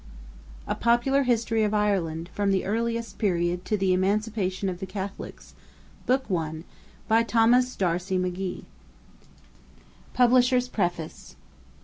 A Popular History of Ireland: from the Earliest Period to the Emancipation of the Catholics by Thomas D'Arcy McGee PUBLISHERS' PREFACE.